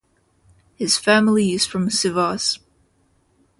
His family is from Sivas.